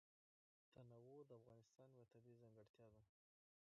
تنوع د افغانستان یوه طبیعي ځانګړتیا ده.